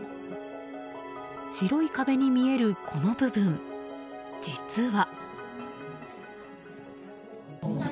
白い壁に見えるこの部分実は。